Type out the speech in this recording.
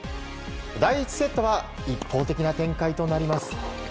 第１セットは一方的な展開となります。